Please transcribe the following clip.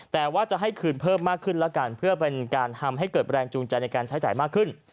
แต่ว่าจะให้คืนเพิ่มมากขึ้นแล้วกันเพื่อเป็นการทำให้เกิดแรงจูงใจในการใช้จ่ายมากขึ้น